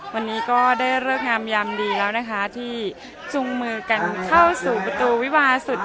วันนี้ก็ได้เรื่องอามยามดีแล้วที่จุงมือกันเข้าสู่บุตรวีบาสุด